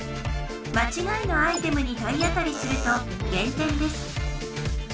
まちがいのアイテムに体当たりすると減点です。